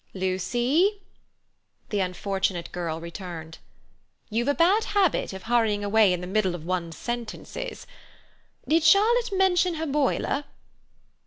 "Lucy!" The unfortunate girl returned. "You've a bad habit of hurrying away in the middle of one's sentences. Did Charlotte mention her boiler?"